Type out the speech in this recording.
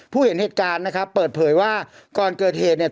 เห็นเหตุการณ์นะครับเปิดเผยว่าก่อนเกิดเหตุเนี่ย